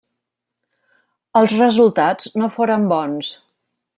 Els resultats no foren bons.